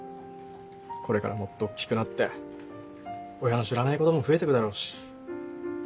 これからもっと大っきくなって親の知らないことも増えてくだろうし。